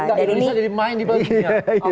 tidak indonesia jadi pemain di publiknya